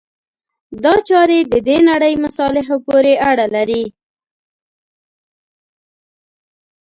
دا چارې د دې نړۍ مصالحو پورې اړه لري.